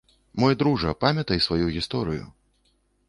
Мой дружа, памятай сваю гісторыю.